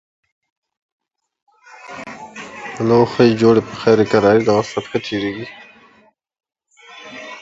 This is how we created Nobody.